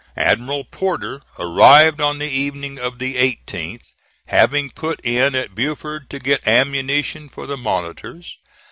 Admiral Porter arrived on the evening of the 18th, having put in at Beaufort to get ammunition for the monitors.